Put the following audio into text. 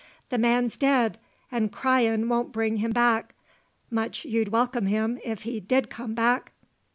The man's dead, an' cryin' won't bring him back. Much you'd welcome him, if he did come back!"